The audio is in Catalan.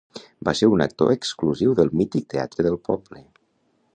Va ser un actor exclusiu del mític Teatre del Poble.